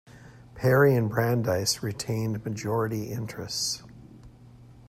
Perry and Brandeis retained majority interests.